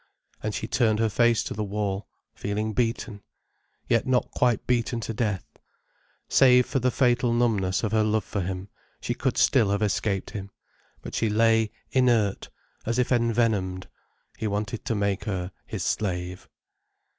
And she turned her face to the wall, feeling beaten. Yet not quite beaten to death. Save for the fatal numbness of her love for him, she could still have escaped him. But she lay inert, as if envenomed. He wanted to make her his slave.